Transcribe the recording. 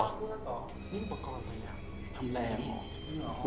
นี่อุปกรณ์อะไรอ่ะทำแรงเหรอ